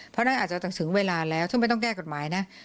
เพราะฉะนั้นอาจจะถึงเวลาแล้วถ้าไม่ต้องแก้กฎหมายนะ